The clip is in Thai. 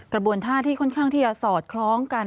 กระบวนท่าที่ค่อนข้างที่จะสอดคล้องกัน